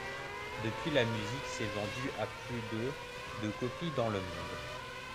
Depuis, la musique s'est vendu à plus de de copies dans le monde.